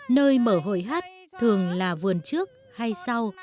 nơi mở hội hát thường là vườn trước hay sau